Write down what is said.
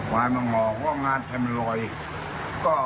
ไม่ยกไว้แล้วอ๋อยกไว้